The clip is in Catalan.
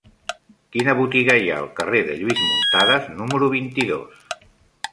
Quina botiga hi ha al carrer de Lluís Muntadas número vint-i-dos?